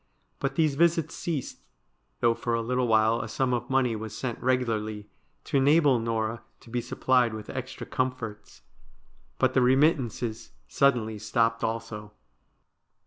But these visits ceased, though for a little while a sum of money was sent regularly to enable Norah to be supplied with extra comforts. But the remittances suddenly stopped also.